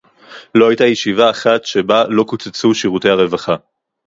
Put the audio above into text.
לא היתה ישיבה אחת שבה לא קוצצו שירותי הרווחה